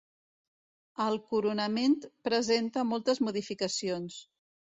El coronament presenta moltes modificacions.